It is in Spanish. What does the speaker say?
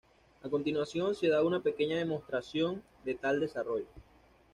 A continuación se da una pequeña demostración de tal desarrollo.